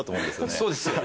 そうですよね